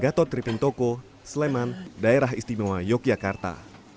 gatot tripimtoko sleman daerah istimewa yogyakarta